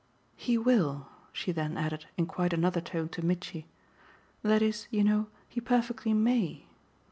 "He will!" she then added in quite another tone to Mitchy. "That is, you know, he perfectly MAY.